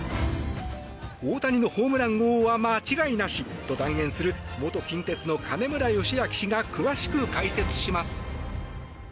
大谷のホームラン王は間違いなしと断言する元近鉄の金村義明氏が詳しく解説します。